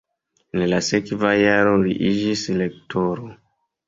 En la sekva jaro li iĝis lektoro.